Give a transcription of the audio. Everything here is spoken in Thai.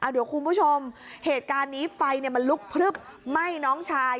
เดี๋ยวคุณผู้ชมเหตุการณ์นี้ไฟมันลุกพลึบไหม้น้องชาย